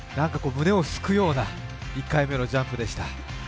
胸をすくような１回目のジャンプでした。